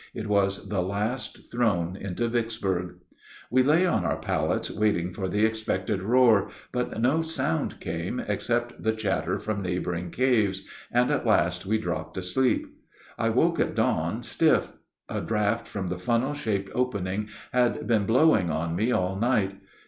It was the last thrown into Vicksburg. We lay on our pallets waiting for the expected roar, but no sound came except the chatter from neighboring caves, and at last we dropped asleep. I woke at dawn stiff. A draft from the funnel shaped opening had been blowing on me all night.